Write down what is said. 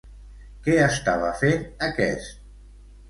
Què estava fent aquest?